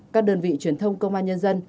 các đơn vị truyền thông công an nhân dân